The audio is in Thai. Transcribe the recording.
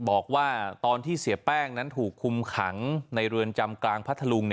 บอกว่าตอนที่เสียแป้งนั้นถูกคุมขังในเรือนจำกลางพัทธลุง